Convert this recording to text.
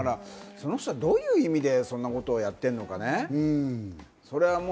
どういう意味でそんなことをやってるのかね。